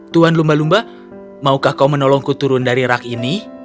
tuan lumba maukah kau menolongku turun dari rak ini